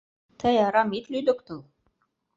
Тый арам ит лӱдыктыл!